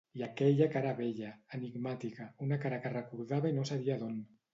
I aquella cara bella, enigmàtica... una cara que recordava i no sabia d'on.